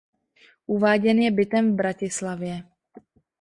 Uváděn je bytem v Bratislavě.